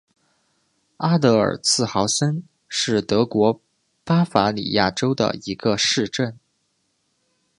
阿德尔茨豪森是德国巴伐利亚州的一个市镇。